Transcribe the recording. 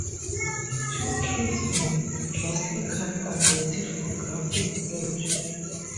The two tracks were drastically updated for "Graffiti Bridge".